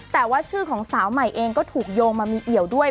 แต่ว่าชื่อของสาวใหม่เองก็ถูกโยงมามีเอี่ยวด้วย